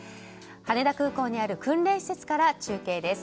羽田空港にある訓練施設から中継です。